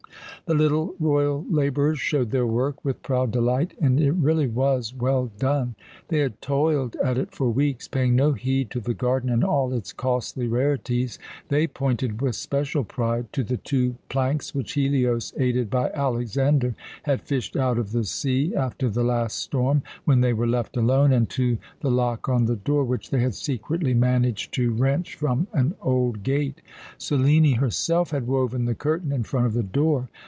The little royal labourers showed their work with proud delight, and it really was well done. They had toiled at it for weeks, paying no heed to the garden and all its costly rarities. They pointed with special pride to the two planks which Helios, aided by Alexander, had fished out of the sea after the last storm, when they were left alone, and to the lock on the door which they had secretly managed to wrench from an old gate. Selene herself had woven the curtain in front of the door.